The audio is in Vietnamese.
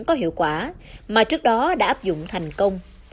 có hiệu quả mà trước đó đã áp dụng thành công